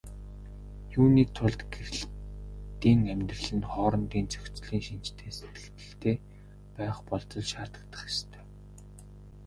Юуны тулд гэрлэлтийн амьдрал нь хоорондын зохицлын шинжтэй сэтгэлтэй байх болзол шаардагдах ёстой.